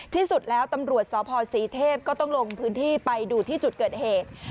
ที่สุดแล้วตำรวจสพศรีเทพก็ต้องลงพื้นที่ไปดูที่จุดเกิดเหตุ